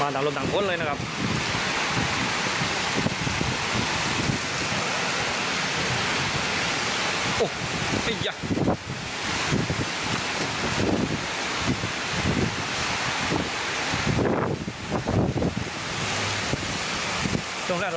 อาจจะปลิวต้นไม้